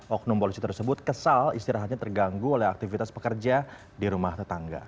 oknum polisi tersebut kesal istirahatnya terganggu oleh aktivitas pekerja di rumah tetangga